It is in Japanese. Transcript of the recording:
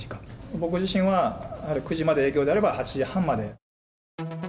僕自身は、９時まで営業であれば８時半まで。